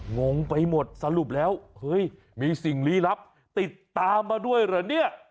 งงไปหมดสรุปแล้วเฮ้ยมีสิ่งลี้ลับติดตามมาด้วยเหรอเนี่ย